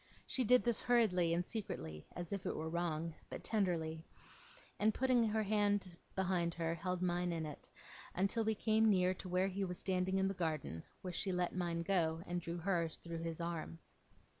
She did this hurriedly and secretly, as if it were wrong, but tenderly; and, putting out her hand behind her, held mine in it, until we came near to where he was standing in the garden, where she let mine go, and drew hers through his arm.